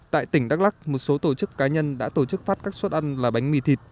tại tỉnh đắk lắc một số tổ chức cá nhân đã tổ chức phát các suất ăn là bánh mì thịt